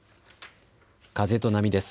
風と波です。